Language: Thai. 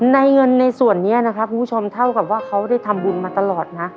ในเงินในส่วนนี้นะครับคุณผู้ชมเท่ากับว่าเขาได้ทำบุญมาตลอดนะ